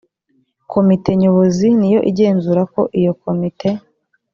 komite nyobozi ni yo igenzura ko iyo komite